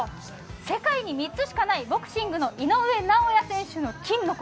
世界に３つしかないボクシングの井上尚弥選手の金の拳。